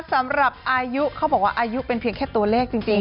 สำหรับอายุเขาบอกว่าอายุเป็นเพียงแค่ตัวเลขจริง